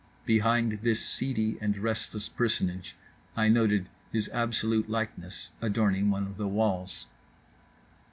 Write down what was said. Behind this seedy and restless personage I noted his absolute likeness, adorning one of the walls.